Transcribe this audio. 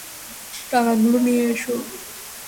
টাকাগুলো নিয়ে এসো!